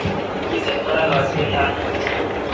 Mito barak alyet ab Miwek